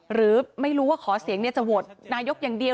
หรือไม่รู้ว่าขอเสียงจะโหวตนายกอย่างเดียว